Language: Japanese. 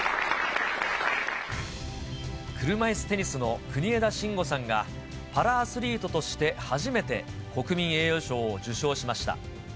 車いすテニスの国枝慎吾さんが、パラアスリートとして初めて、国民栄誉賞を受賞しました。